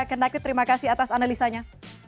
kenakut terima kasih atas analisanya